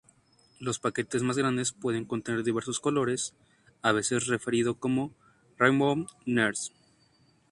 Los paquetes más grandes pueden contener diversos colores, a veces referido como "Rainbow Nerds.